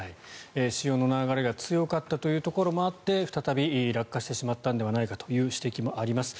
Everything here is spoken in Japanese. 潮の流れが強かったというところもあって再び落下してしまったのではという指摘もあります。